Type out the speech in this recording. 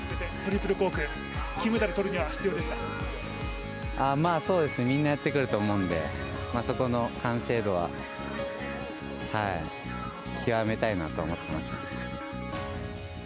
トリプルコーク、金メダルとまあ、そうですね、みんなやってくると思うんで、そこの完成度はきわめたいなと思ってますね。